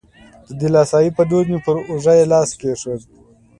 د دلاسایي په دود مې پر اوږه یې لاس کېښود.